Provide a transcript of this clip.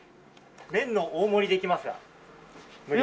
麺の大盛りできますが無料で。